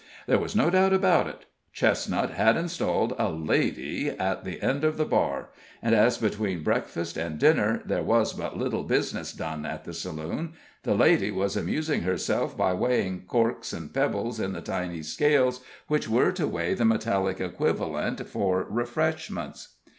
There was no doubt about it. Chestnut had installed a lady at the end of the bar, and as, between breakfast and dinner, there was but little business done at the saloon, the lady was amusing herself by weighing corks and pebbles in the tiny scales which were to weigh the metallic equivalent for refreshments.